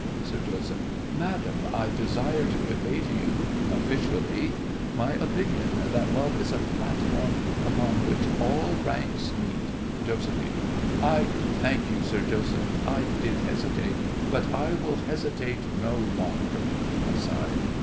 SIR JOSEPH. Madam, I desire to convey to you officially my opinion that love is a platform upon which all ranks meet. JOS. I thank you, Sir Joseph. I did hesitate, but I will hesitate no longer. (Aside.)